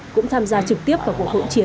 cũng tham gia trực tiếp vào cuộc hỗn chiến